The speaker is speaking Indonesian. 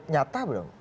cukup nyata belum